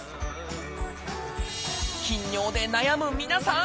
頻尿で悩む皆さん！